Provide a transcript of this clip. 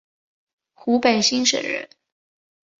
湖北蕲水人。